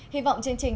hy vọng chương trình